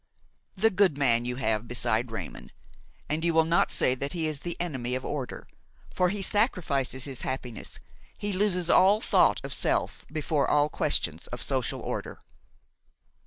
The good man you have beside Raymon; and you will not say that he is the enemy of order; for he sacrifices his happiness, he loses all thought of self before all questions of social order.